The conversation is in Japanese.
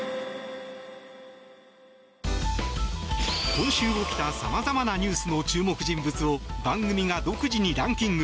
今週起きた様々なニュースの注目人物を番組が独自にランキング。